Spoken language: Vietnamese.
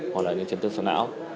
hoặc là chấn thương sợ não